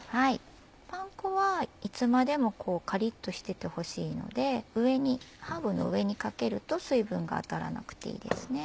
パン粉はいつまでもカリっとしててほしいのでハーブの上にかけると水分が当たらなくていいですね。